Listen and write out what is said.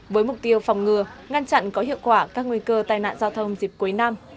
với mục tiêu phòng ngừa ngăn chặn có hiệu quả các nguy cơ tai nạn giao thông dịp cuối năm